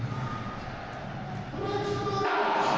フレンチクルーラー！